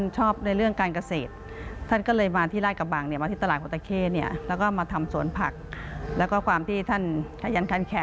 จวนผลักษณ์ของท่านก็เจริญ